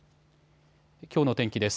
きょうの天気です。